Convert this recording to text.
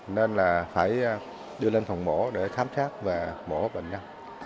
nên là phải đi lên phòng mổ để khám phá